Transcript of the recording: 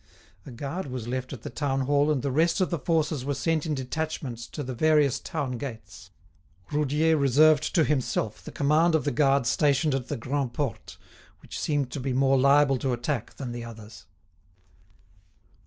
A guard was left at the town hall and the rest of the forces were sent in detachments to the various town gates. Roudier reserved to himself the command of the guard stationed at the Grand' Porte, which seemed to be more liable to attack than the others.